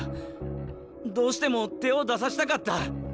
どうしても手を出させたかった。